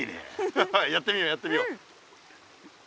ハハやってみようやってみよう。